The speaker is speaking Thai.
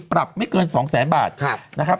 ปรับไม่เกิน๒แสนบาทนะครับ